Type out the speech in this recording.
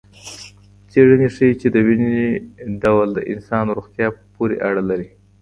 څېړنې ښيي چې دویني ډول د انسان روغتیا پورې اړه لري.